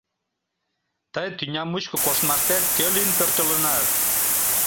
Тый тӱня мучко коштмаштет кӧ лийын пӧртылынат?